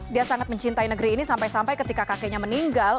dia sangat mencintai negeri ini sampai sampai ketika kakeknya meninggal